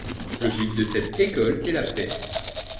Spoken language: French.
Le but de cette école est la paix.